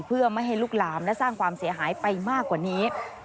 เพื่อไม่ให้ลุกหลามและสร้างความเสียหายไปมากกว่านี้